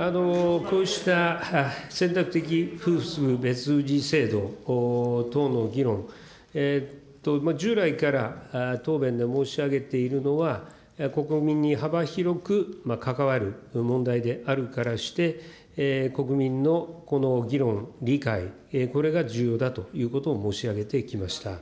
こうした選択的夫婦別氏制度等の議論、従来から答弁で申し上げているのは、国民に幅広く関わる問題であるからして、国民のこの議論、理解、これが重要だということを申し上げてきました。